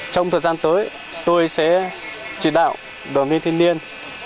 trong thời gian tới tôi sẽ chỉ đạo đoàn viên thanh niên